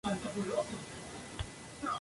El Dinamo Minsk es el equipo que juega de local.